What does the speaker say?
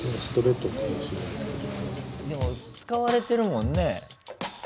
でも使われてるもんね。